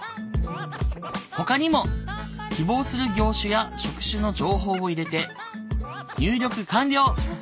ほかにも希望する業種や職種の情報を入れて入力完了！